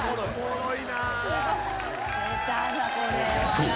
［そう］